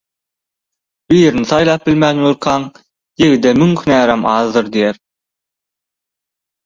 birini saýlap bilmän durkaň «Ýigide müň hünärem azdyr» diýer.